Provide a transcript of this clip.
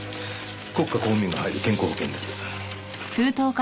国家公務員が入る健康保険です。